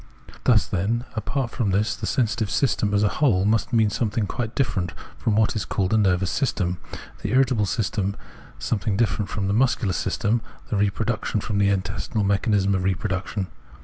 Thus then, apart from this, the sensitive system as a whole must mean something quite different from what is called a nervous system, the irritable system some thing different from the muscular system, the reproduc tive from the intestinal mechanism of reproduction.